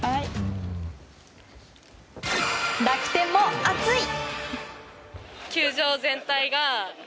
楽天も熱い。